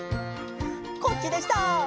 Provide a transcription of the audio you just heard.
こっちでした！